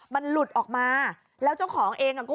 มันหลุดออกมาแล้วเจ้าของเองอ่ะก็